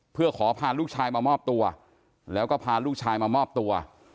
เพื่อขอพาลูกชายมามอบตัวแล้วก็พาลูกชายมามอบตัว